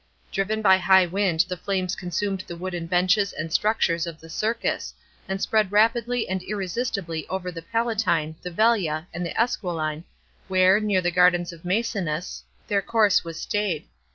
Driven by a high wind the flames consumed the wooden benches and structures of the Circus, and spread rapidly and irresistibly over the Palatine, the Vulia, and the Esquiline, where, near the gardens of Maecenas, their course was stayed.